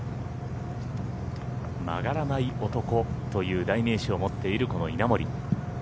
曲がらない男という代名詞を持っているこの稲森。